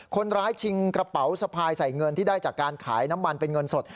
ชิงกระเป๋าสะพายใส่เงินที่ได้จากการขายน้ำมันเป็นเงินสด